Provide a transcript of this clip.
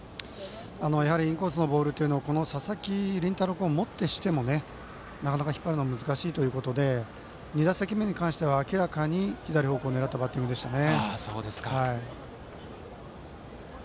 インコースのボールは佐々木麟太郎君をもってしても、なかなか引っ張るのは難しいということで２打席目に関しては明らかに左方向を狙ったバッティングでしたね。